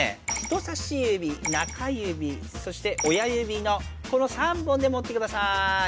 人さし指中指そして親指のこの３本でもってください。